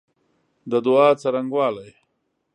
د دعا څرنګوالی